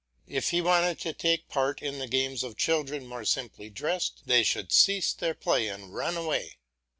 If he wanted to take part in the games of children more simply dressed, they should cease their play and run away.